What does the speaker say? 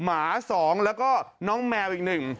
หมา๒แล้วก็น้องแมวอีกหนึ่ง